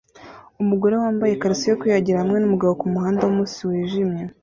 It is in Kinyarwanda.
Umugore wambaye ikariso yo kwiyuhagira hamwe numugabo kumuhanda wumunsi wijimye